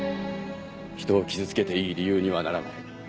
人を傷つけていい理由にはならない。